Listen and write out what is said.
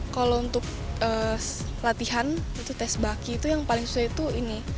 kalau untuk latihan itu tes baki itu yang paling susah itu ini